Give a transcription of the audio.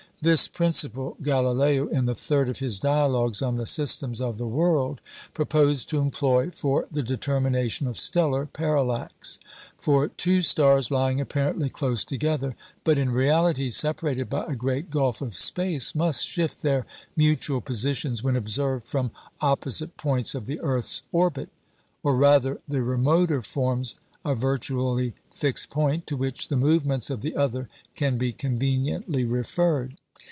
This principle Galileo, in the third of his Dialogues on the Systems of the World, proposed to employ for the determination of stellar parallax; for two stars, lying apparently close together, but in reality separated by a great gulf of space, must shift their mutual positions when observed from opposite points of the earth's orbit; or rather, the remoter forms a virtually fixed point, to which the movements of the other can be conveniently referred.